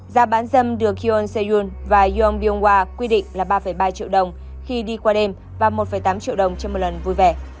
giá bán dâm được hyun se yoon và yeon byung hwa quy định là ba ba triệu đồng khi đi qua đêm và một tám triệu đồng cho một lần vui vẻ